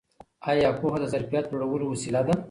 ایا پوهه د ظرفیت لوړولو وسیله ده؟